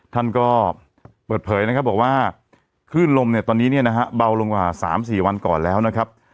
ท่านก็เปิดเผยนะครับบอกว่าคลื่นลมเนี่ยตอนนี้เนี่ยนะฮะเบาลงกว่า๓๔วันก่อนแล้วนะครับ